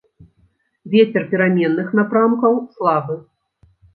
Вецер пераменных напрамкаў, слабы.